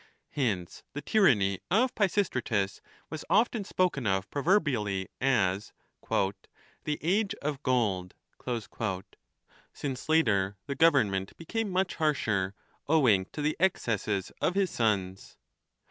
Hence the tyranny of Pisistratus was often spoken of proverbially as " the age of gold"; 2 since later the government became much harsher, owing to the excesses of his sons.